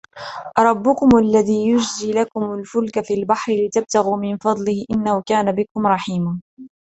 ربكم الذي يزجي لكم الفلك في البحر لتبتغوا من فضله إنه كان بكم رحيما